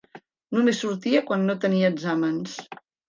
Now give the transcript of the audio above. Només sortia quan no tenia exàmens.